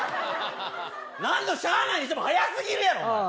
何のしゃあないにしても早すぎるやろお前あ